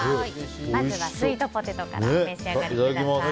まずはスイートポテトからお召し上がりください。